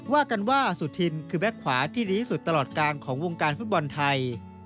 ว่ากันว่าสุธินคือแบ็คขวาที่ดีที่สุดตลอดการของวงการฟุตบอลไทย